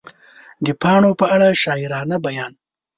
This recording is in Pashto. د پاڼو په اړه شاعرانه بیان